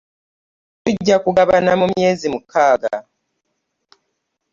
Tujja kukigabana mu myezi mukaaga.